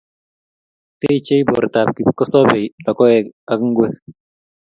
Techei bortab kipkosobei logoek ak ngwek